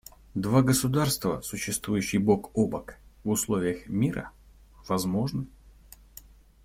Два государства, существующие бок о бок в условиях мира, возможны.